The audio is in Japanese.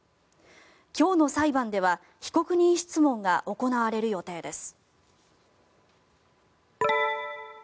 今日の裁判では被告人質問が行われる予定です。